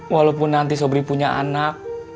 walaupun nanti sobri punya anak